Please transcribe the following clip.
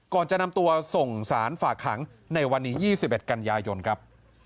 ก่อนจะนำตัวส่งสารฝากขังในวันนี้๒๑กันยายนครับ